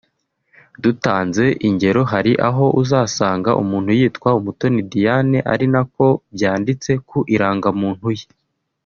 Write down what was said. Dutanze ingero hari aho uzasanga umuntu yitwa “Umutoni Diane” ari nako byanditse ku irangamuntu ye